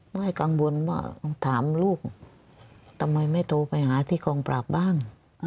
ไม่กังวลว่าถามลูกทำไมไม่โทรไปหาที่กองปราบบ้าง